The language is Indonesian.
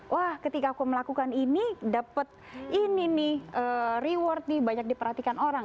wah ketika aku melakukan ini dapat ini nih reward nih banyak diperhatikan orang